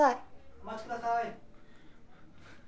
・お待ちください。